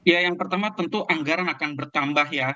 ya yang pertama tentu anggaran akan bertambah ya